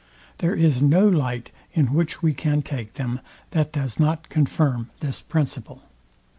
There is no light, in which we can take them, that does nor confirm this principle.